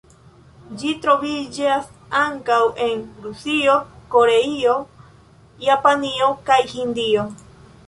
Ĝi troviĝas ankaŭ en Rusio, Koreio, Japanio kaj Hindio.